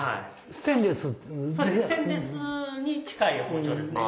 ステンレスに近い包丁ですね。